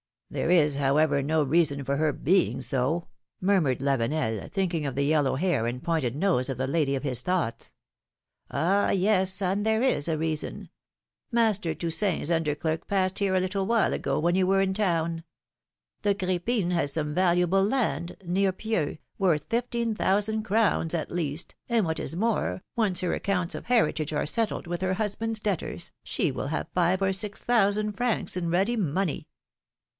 ^^ There is, however, no reason for her being so,'^ mur mured Lavenel, thinking of the yellow hair and pointed nose of the lady of his thoughts. ^^Ah ! yes, son, there is a reason. Master Toussaint's under clerk passed here a little while ago, when you were in town; the Crepine has some valuable land, near Pieux, worth fifteen thousand crowns at least, and what is more, once her accounts of heritage are settled with her husband^s debtors, she will have five or six thousand francs in ready money.